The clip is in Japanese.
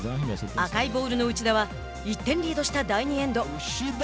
赤いボールの内田は１点リードした第２エンド。